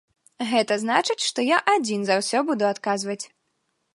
Гэта значыць, што я адзін за ўсё буду адказваць.